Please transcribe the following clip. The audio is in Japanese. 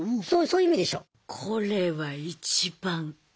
そういう意味でしょ。